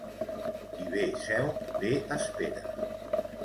Qui bé seu, bé espera.